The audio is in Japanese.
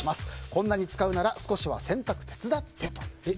こんなに使うなら少しは洗濯手伝ってと。